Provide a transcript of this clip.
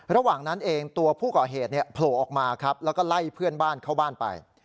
ระหว่างนั้นเองตัวผู้ก่อเหตุโผล่ออกมาครับแล้วก็ไล่เพื่อนบ้านเข้าบ้านไป